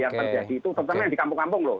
yang terjadi itu terutama yang di kampung kampung loh